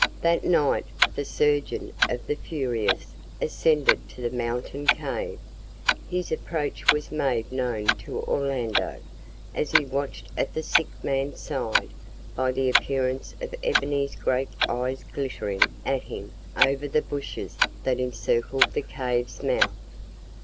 That night the surgeon of the "Furious" ascended to the mountain cave. His approach was made known to Orlando, as he watched at the sick man's side, by the appearance of Ebony's great eyes glittering at him over the bushes that encircled the cave's mouth.